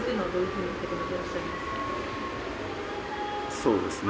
そうですね。